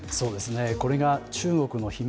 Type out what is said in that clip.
これが中国の秘密